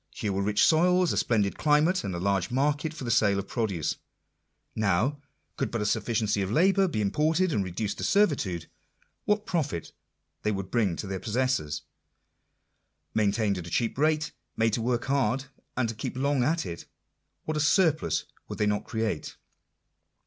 Here were rich soils, a splendid climate, and a large market for the sale of produce. Now, could but a sufficiency of labourers be im ported and reduced to servitude, what profit they would bring to their possessors! Maintained at a cheap rate; made to work hard, and to keep long at it, what a surplus would they not create